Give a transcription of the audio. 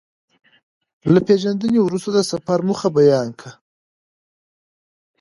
له پېژندنې وروسته د سفر موخه بيان کړه.